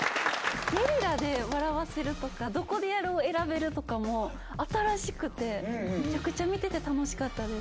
ゲリラで笑わせるとかどこでやるを選べるとかも新しくてめちゃくちゃ見てて楽しかったです